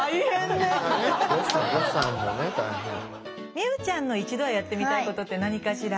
美羽ちゃんの一度はやってみたいことって何かしら？